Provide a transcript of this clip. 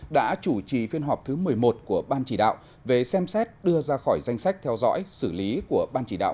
đã chủ trì phiên họp thứ một mươi một của ban chỉ đạo về xem xét đưa ra khỏi danh sách theo dõi xử lý của ban chỉ đạo